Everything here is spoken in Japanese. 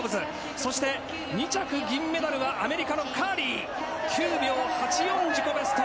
そして２着銀メダルはアメリカのカービー、９秒８４、自己ベスト。